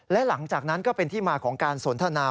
และหลังจากนั้นก็เป็นที่มาของการสนทนา